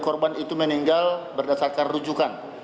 korban itu meninggal berdasarkan rujukan